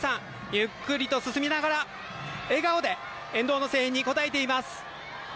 ゆっくりと進みながら、笑顔で沿道の声援に応えています。